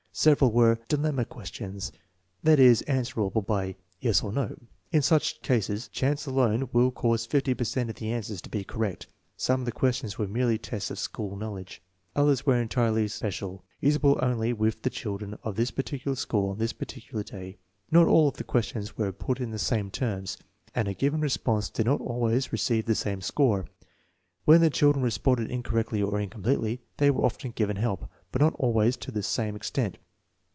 Several were " dilemma questions," that is, answerable by yes or no. In such cases chance alone will cause fifty per cent of the answers to be correct. Some of the questions were merely tests of school knowledge. Others were entirely special, usable only with the children of this particular school on this particular day. Not all of the questions were put in the same terms, and a given re sponse did not always receive the same score. When the chil dren responded incorrectly or ^incompletely, they were often given help, but not always to the same extent.